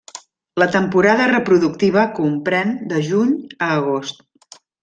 La temporada reproductiva comprèn de juny a agost.